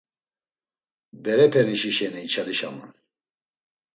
Berepenişi şeni içalişaman.